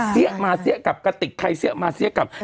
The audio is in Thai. มาเสี้ยกลับกะติกใครเสี้ยมาเสี้ยกลับ